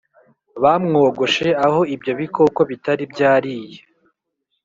bamwogoshe aho ibyo bikoko bitari byariye